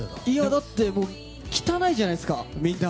だって汚いじゃないですかみんな。